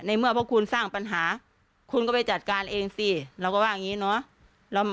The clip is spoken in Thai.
เมื่อพวกคุณสร้างปัญหาคุณก็ไปจัดการเองสิเราก็ว่าอย่างนี้เนาะ